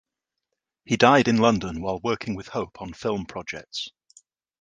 He died in London while working with Hope on film projects.